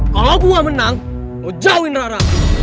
kalo gua menang lo jauhin rara